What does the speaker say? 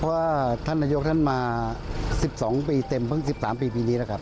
เพราะว่าท่านนโยคท่านมาสิบสองปีเต็มเพิ่งสิบสามปีปีนี้แล้วครับ